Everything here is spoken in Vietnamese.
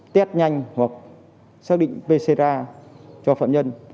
tết nhanh hoặc xác định pcr cho phạm nhân